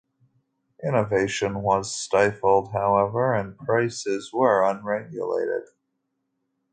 Innovation was stifled, however, and prices were unregulated.